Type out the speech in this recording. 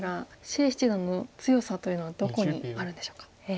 謝七段の強さというのはどこにあるんでしょうか。